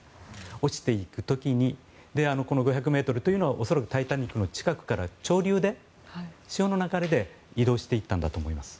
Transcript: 落ちていく時にこの５００ｍというのは恐らく「タイタニック号」の近くから潮流で、潮の流れで移動していったんだと思います。